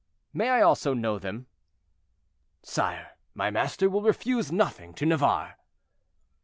"May I also know them?" "Sire, my master will refuse nothing to Navarre."